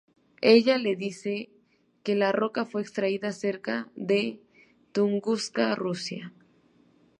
Ella le dice que la roca fue extraída cerca de Tunguska, Rusia.